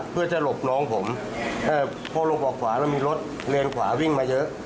เพื่อจะหลบน้องผมพอลงออกขวามันมีรถเลนขวาวิ่งมาเยอะ